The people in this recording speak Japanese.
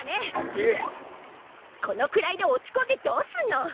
このくらいで落ちこんでどうすんの！